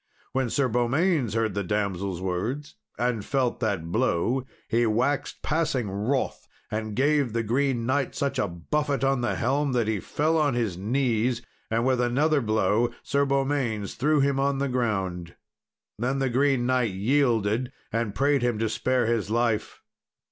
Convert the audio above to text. When Sir Beaumains heard the damsel's words, and felt that blow, he waxed passing wroth, and gave the Green Knight such a buffet on the helm that he fell on his knees, and with another blow Sir Beaumains threw him on the ground. Then the Green Knight yielded, and prayed him to spare his life.